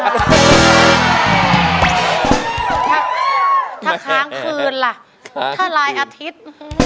ถ้าค้างคืนล่ะถ้ารายอาทิตย์